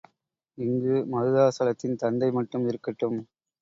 இங்கு மருதாசலத்தின் தந்தை மட்டும் இருக்கட்டும்.